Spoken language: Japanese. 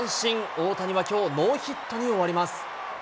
大谷はきょう、ノーヒットに終わります。